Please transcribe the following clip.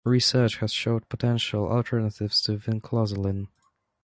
Research has showed potential alternatives to vinclozolin.